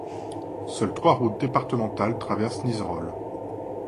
Seules trois routes départementales traversent Nizerolles.